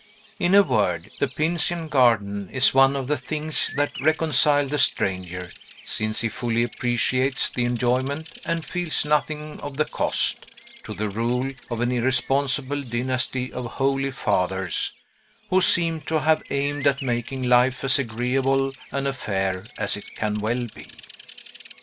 In a word, the Pincian garden is one of the things that reconcile the stranger (since he fully appreciates the enjoyment, and feels nothing of the cost) to the rule of an irresponsible dynasty of Holy Fathers, who seem to have aimed at making life as agreeable an affair as it can well be.